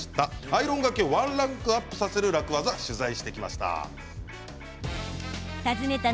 アイロンがけをワンランクアップさせる楽ワザを取材してきました。